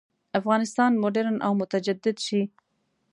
افغانستان مډرن او متجدد شي.